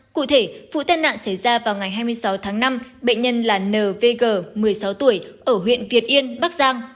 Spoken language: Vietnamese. cụ thể vụ tên nạn xảy ra vào ngày hai mươi sáu tháng năm bệnh nhân là n v g một mươi sáu tuổi ở huyện việt yên bắc giang